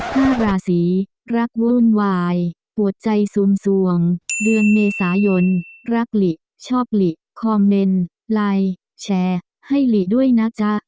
ห้าราศีรักวุ่นวายปวดใจซูมสวงเดือนเมษายนรักหลิชอบหลีคอมเมนต์ไลน์แชร์ให้หลีด้วยนะจ๊ะ